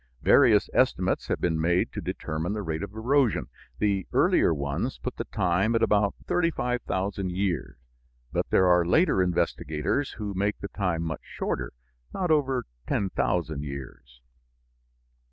Various estimates have been made to determinate the rate of erosion. The earlier ones put the time at about 35,000 years. But there are later investigators who make the time much shorter, not over 10,000 years.